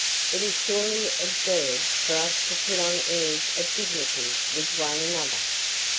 It is surely absurd for us to put on airs of dignity with one another.